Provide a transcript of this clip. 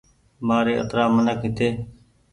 مآري اترآ منک هيتي